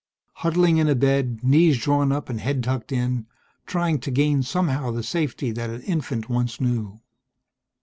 Huddling in a bed, knees drawn up and head tucked in, trying to gain somehow the safety that an infant once knew.